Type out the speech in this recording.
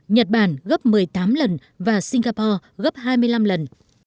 nhật bản gấp một mươi tám lần và singapore gấp hai mươi năm lần